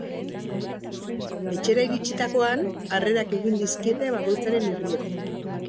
Etxera iritsitakoan harrerak egin dizkiete bakoitzaren herrietan.